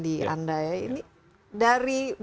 diandai ini dari